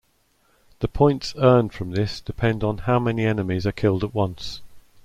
The points earned from this depend on how many enemies are killed at once.